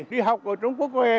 đi học ở trung quốc về